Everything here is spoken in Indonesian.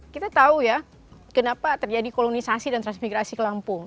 kita tahu ya kenapa terjadi kolonisasi dan transmigrasi ke lampung